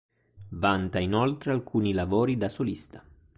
Vanta inoltre alcuni lavori da solista.